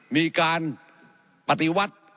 มีการปฏิวัติ